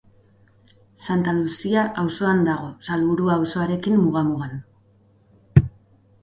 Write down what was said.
Santa Luzia auzoan dago, Salburua auzoarekin muga-mugan.